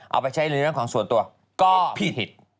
เอาไปใช้ในเรื่องของส่วนตัวก็ผิด